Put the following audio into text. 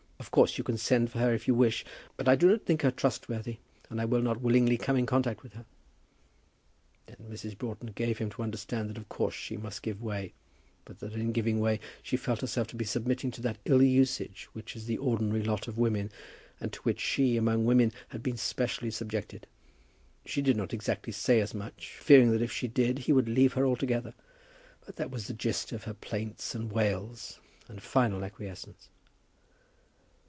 Of course you can send for her if you please; but I do not think her trustworthy, and I will not willingly come in contact with her." Then Mrs. Broughton gave him to understand that of course she must give way, but that in giving way she felt herself to be submitting to that ill usage which is the ordinary lot of women, and to which she, among women, had been specially subjected. She did not exactly say as much, fearing that if she did he would leave her altogether; but that was the gist of her plaints and wails, and final acquiescence.